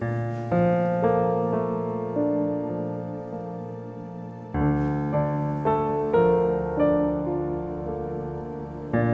sekarang mau cult of tiwatchasts yang menunjukkan